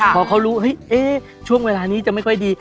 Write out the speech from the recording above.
พอเขารู้ช่วงเวลานี้จะไม่ค่อยดี